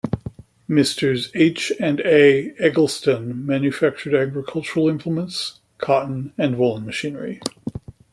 Messrs. H and A Egleston manufactured agricultural implements, cotton and woolen machinery.